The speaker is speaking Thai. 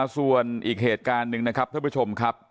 ส่วนอีกเหตุการณ์หนึ่งนะครับท่านผู้ชมครับ